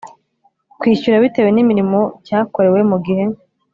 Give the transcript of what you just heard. kwishyura bitewe n imirimo cyakorewe mu gihe